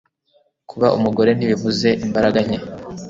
kuba umugore ntibivuze imbaraga nke